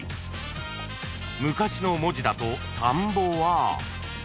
［昔の文字だと田んぼは］